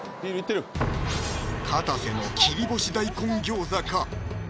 かたせの切り干し大根餃子か？